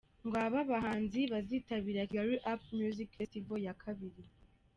Ngabo abahanzi bazitabira KigaliUp Music Festival ya kabiri.